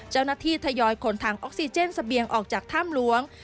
เจ้าหน้าที่ทยอยขนทางออกซีเจนสะเบียงออกจากถ้ำล้วง